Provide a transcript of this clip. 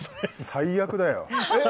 最悪だよ。